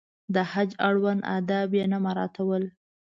د حج اړوند آداب یې نه مراعاتول.